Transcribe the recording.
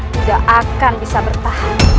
tidak akan bisa bertahan